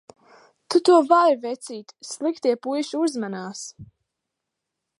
Tu to vari vecīt, Sliktie puiši uzmanās!